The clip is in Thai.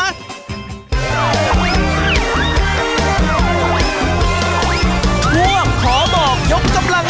ท่วงขอบอกยกกำลัง๒